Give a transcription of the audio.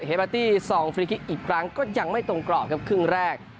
เบอร์ตี้ซองฟรีคิกอีกครั้งก็ยังไม่ตรงกรอบครับครึ่งแรก